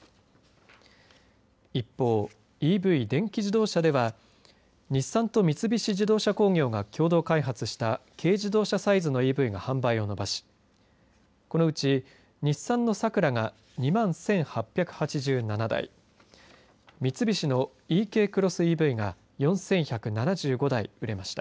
一方、ＥＶ、電気自動車では日産と三菱自動車工業が共同開発した軽自動車サイズのＥＶが販売を伸ばしこのうち、日産のサクラが２万１８８７台三菱のｅｋクロスＥＶが４１７５台、売れました。